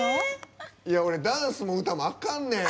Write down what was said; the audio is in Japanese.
俺、ダンスも歌もあかんねん。